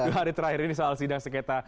tujuh hari terakhir ini soal sidang sengketa